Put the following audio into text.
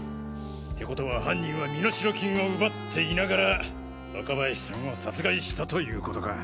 てことは犯人は身代金を奪っていながら若林さんを殺害したということか。